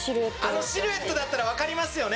あのシルエットだったらわかりますよね